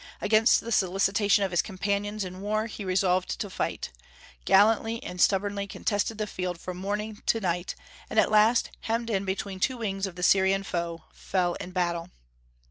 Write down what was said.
Against the solicitation of his companions in war he resolved to fight; gallantly and stubbornly contested the field from morning to night, and at last, hemmed in between two wings of the Syrian foe, fell in the battle.